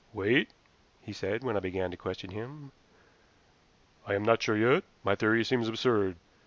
"Wait," he said when I began to question him. "I am not sure yet. My theory seems absurd.